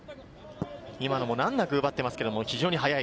今のも難なく奪っていますが非常に速い。